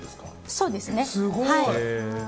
そうですね。